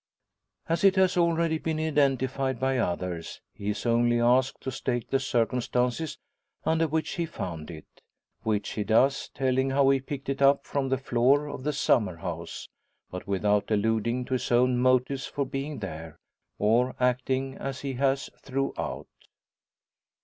As it has already been identified by others, he is only asked to state the circumstances under which he found it. Which he does, telling how he picked it up from the floor of the summer house; but without alluding to his own motives for being there, or acting as he has throughout.